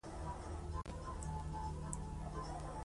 د نویو بانکنوټونو کارولو پروسې ډېر وخت ونیو.